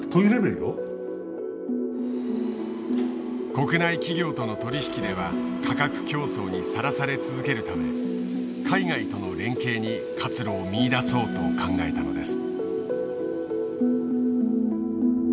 国内企業との取り引きでは価格競争にさらされ続けるため海外との連携に活路を見いだそうと考えたのです。